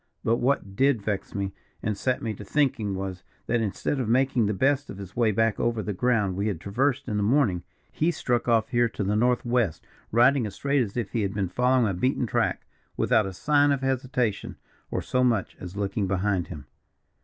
But what did vex me, and set me to thinking, was, that instead of making the best of his way back over the ground we had traversed in the morning, he struck off here to the north west, riding as straight as if he had been following a beaten track, without a sign of hesitation, or so much as looking behind him."